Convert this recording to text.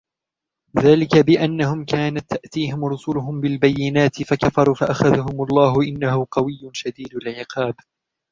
ذلك بأنهم كانت تأتيهم رسلهم بالبينات فكفروا فأخذهم الله إنه قوي شديد العقاب